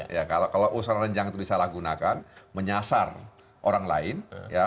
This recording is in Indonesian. ya kalau usulan renjang itu disalahgunakan menyasar orang lain ya